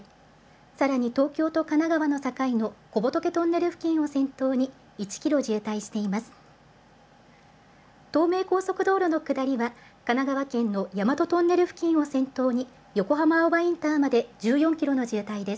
さらに東京と神奈川の境の小仏トンネル付近を先頭に１キロ渋滞しています。